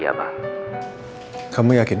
tentang sama lain za walan